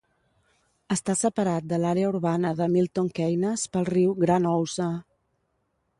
Està separat de l'àrea urbana de Milton Keynes pel riu Gran Ouse.